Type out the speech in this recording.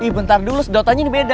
sebentar dulu sedotannya ini beda